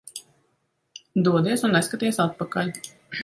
Dodies un neskaties atpakaļ.